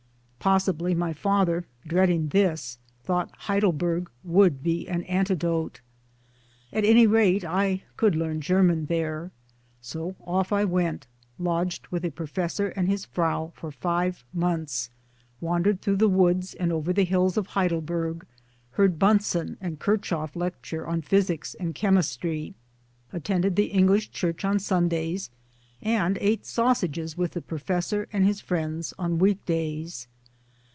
Possibly my father, dreading this, thought Heidelberg would be an antidote ! At any rate I could learn German there. So off I went, lodged with a professor and his Frau for five months, wandered through the woods and over the hills of Heidelberg, heard Bunsen and KirchhofT lecture on Physics and Chemistry, attended the English church on Sundays, and ate sausages with the Professor and his friend's on weekdays.